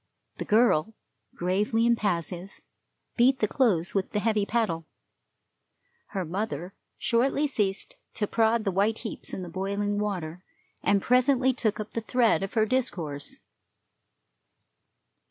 The girl, gravely impassive, beat the clothes with the heavy paddle. Her mother shortly ceased to prod the white heaps in the boiling water, and presently took up the thread of her discourse.